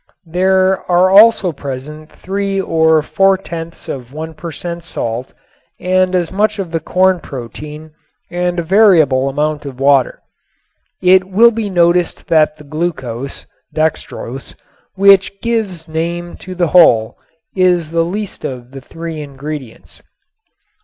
There are also present three or four tenths of one per cent. salt and as much of the corn protein and a variable amount of water. It will be noticed that the glucose (dextrose), which gives name to the whole, is the least of the three ingredients.